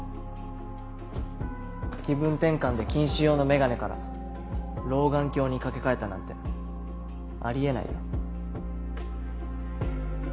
気分転換で近視用の眼鏡から老眼鏡に掛け替えたなんてあり得ないよ。